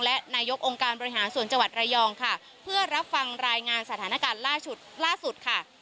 และนายกองค์การบริหารส่วนจังหวัดระยองค่ะเพื่อรับฟังรายงานสถานการณ์ล่าสุดล่าสุดค่ะ